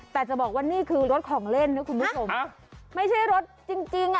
แต่จะบอกว่านี่คือรถของเล่นนะคุณผู้ชมไม่ใช่รถจริงจริงอ่ะ